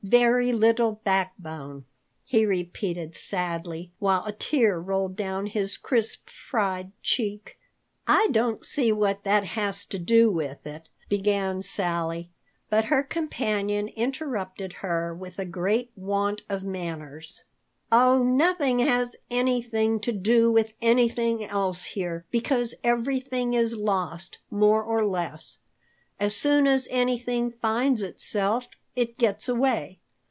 Very little backbone," he repeated sadly, while a tear rolled down his crisp, fried cheek. "I don't see what that has to do with it," began Sally. But her companion interrupted her with a great want of manners. "Oh, nothing has anything to do with anything else here, because everything is lost, more or less. As soon as anything finds itself, it gets away.